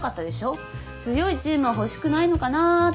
強いチームは欲しくないのかなって。